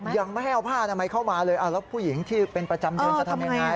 ยังไม่ให้เอาผ้าอนามัยเข้ามาเลยแล้วผู้หญิงที่เป็นประจำเดินจะทำยังไง